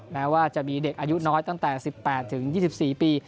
แม้ว่าจะมีเด็กอายุน้อยตั้งแต่๑๘๒๔ปี